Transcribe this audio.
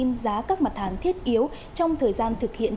hai thông tin giá các mặt hàng thiết yếu trong thời gian thực hiện